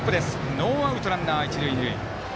ノーアウトランナー、一塁二塁。